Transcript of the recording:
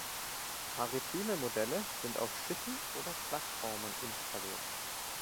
Maritime Modelle sind auf Schiffen oder Plattformen installiert.